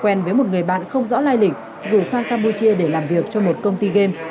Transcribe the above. quen với một người bạn không rõ lai lĩnh rủ sang campuchia để làm việc cho một công ty game